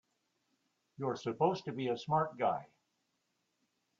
You're supposed to be a smart guy!